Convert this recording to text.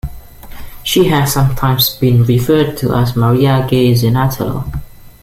She has sometimes been referred to as Maria Gay Zenatello.